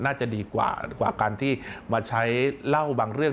น่าจะดีกว่าการที่มาใช้เล่าบางเรื่อง